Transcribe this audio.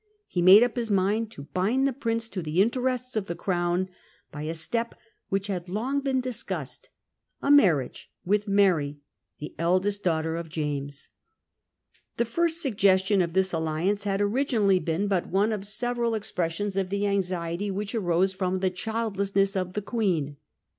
He made up his mind to bind the Prince to the interests of the Crown by a step which had long been discussed — a marriage with Mary, the eldest daughter of James. The first suggestion of this alliance had originally been but one of several expressions of the anxiety which Suggested arose from the childlessness of the Queen.